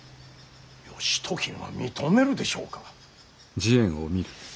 義時が認めるでしょうか。